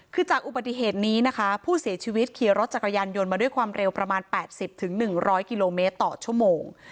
คือจากอุบัติเหตุนี้นะคะผู้เสียชีวิตขี่รถจักรยานยนต์มาด้วยความเร็วประมาณ๘๐๑๐๐กิโลเมตรต่อชั่วโมง